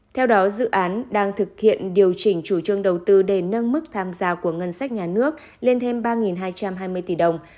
theo đó dự án đang thực hiện điều chỉnh chủ trương đầu tư để nâng mức tham gia của ngân sách nhà nước lên thêm ba hai trăm hai mươi tỷ đồng